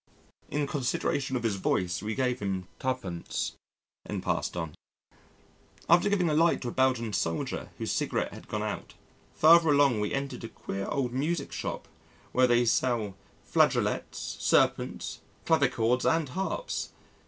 In consideration of his voice we gave him 2d. and passed on.... After giving a light to a Belgian soldier whose cigarette had gone out, farther along we entered a queer old music shop where they sell flageolets, serpents, clavichords, and harps.